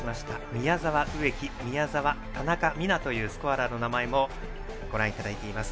宮澤、植木、宮澤、田中美南のスコアラーの名前もご覧いただいています。